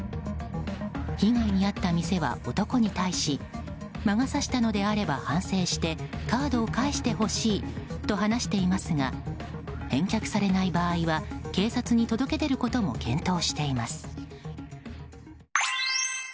被害に遭った店は男に対し魔が差したのであれば反省してカードを返してほしいと話していますが返却されない場合は警察に届け出ることも検討しています。